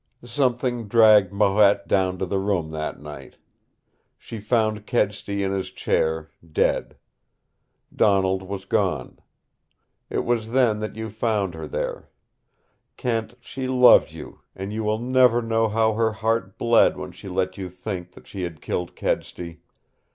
"Something dragged Marette down to the room that night. She found Kedsty in his chair dead. Donald was gone. It was then that you found her there. Kent, she loved you and you will never know how her heart bled when she let you think she had killed Kedsty.